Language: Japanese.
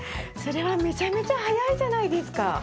それはめちゃめちゃ早いじゃないですか。